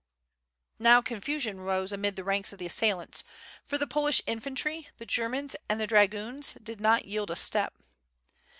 Now confusion rose amid the ranks of the assailants, for the Polish infantry, the Germans, and the dragoons did not yield a step.